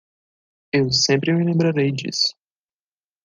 Eu sempre me lembrarei disso.